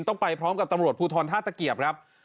ต้องไปพร้อมกับตำรวจภูทรท่าตะเกียบครับ